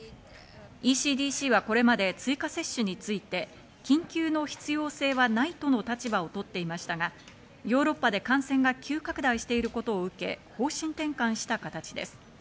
ＥＣＤＣはこれまで追加接種について緊急の必要性はないとの立場を取っていましたが、ヨーロッパで感染が急拡大していることを受け、方針転換した形です。